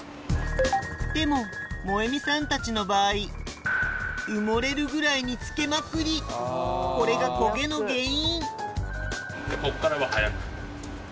でももえみさんたちの場合埋もれるぐらいにつけまくりこれが焦げの原因